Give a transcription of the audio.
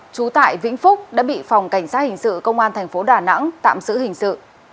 chú tại vĩnh phúc đã bị phòng cảnh sát hình sự công an tp đà nẵng tạm giữ hình sự